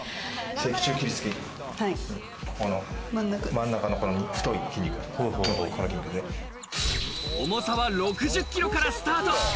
脊柱起立筋、真ん中の太い筋重さは６０キロからスタート。